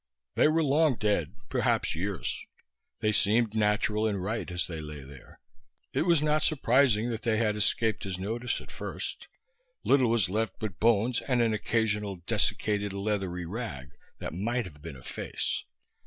They were long dead, perhaps years. They seemed natural and right as they lay there. It was not surprising they had escaped his notice at first. Little was left but bones and an occasional desiccated leathery rag that might have been a face.